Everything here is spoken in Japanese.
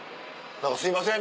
すいません